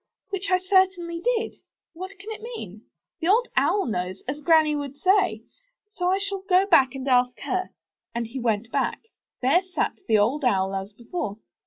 Which I certainly did. What can it mean? The Old Owl knows, as Granny would say; so I shall go back and ask her." And back he went. There sat the Old Owl as before.